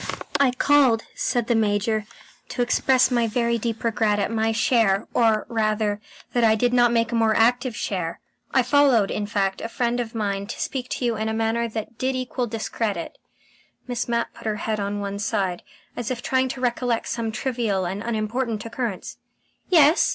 "I called," said the Major, "I called to express my very deep regret at my share, or, rather, that I did not take a more active share I allowed, in fact, a friend of mine to speak to you in a manner that did equal discredit " Miss Mapp put her head on one side, as if trying to recollect some trivial and unimportant occurrence. "Yes?"